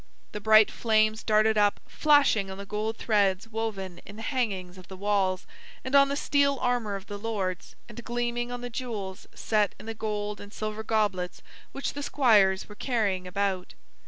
The bright flames darted up, flashing on the gold threads woven in the hangings of the walls, and on the steel armor of the lords, and gleaming on the jewels set in the gold and silver goblets which the squires were carrying about.